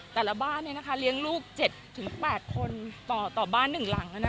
แต่ละบ้านเลี้ยงลูก๗๘คนต่อบ้าน๑หลัง